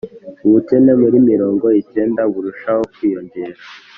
ubukene muri mirongo icyenda burushaho kwiyongera